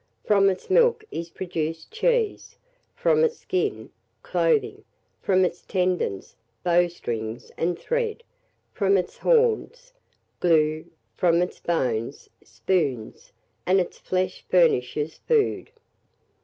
From its milk is produced cheese; from its skin, clothing; from its tendons, bowstrings and thread; from its horns, glue; from its bones, spoons; and its flesh furnishes food.